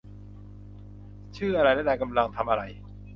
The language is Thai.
ชื่ออะไรและนายกำลังทำอะไร